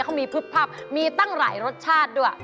เขามีพึบพับมีตั้งหลายรสชาติด้วย